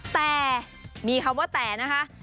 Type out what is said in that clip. แต่มีคำว่าแต่นะคะ